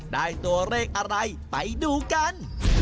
ได้ตัวเลขอะไรไปดูกัน